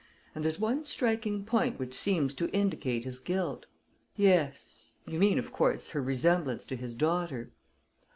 And there's one striking point which seems to indicate his guilt." "Yes you mean, of course, her resemblance to his daughter."